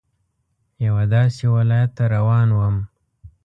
یوه داسې ولايت ته روان وم.